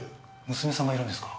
娘さんがいるんですか？